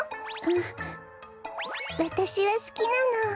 んっわたしはすきなの。